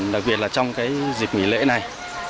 đặc biệt là trong cái dịp nghỉ lễ này